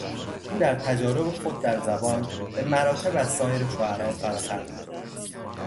او در تجارب خود در زبان، به مراتب از سایر شعرا فراتر نهاده است.